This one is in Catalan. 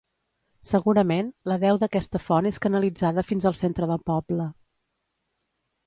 Segurament, la deu d'aquesta font és canalitzada fins al centre del poble.